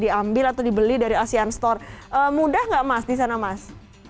diambil atau dibeli dari asean store mudah nggak mas di sana mas